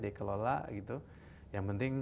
dikelola gitu yang penting